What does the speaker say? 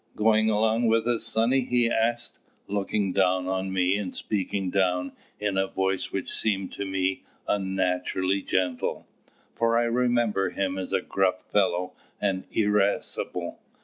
Going along wi' us, sonny?" he asked, looking down on me and speaking down in a voice which seemed to me unnaturally gentle for I remembered him as a gruff fellow and irascible.